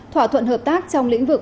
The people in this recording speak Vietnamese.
thỏa thuận hợp tác trong lĩnh vực